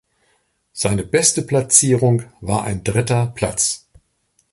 Seine beste Platzierung war ein dritter Platz.